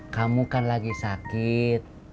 kamu kan lagi sakit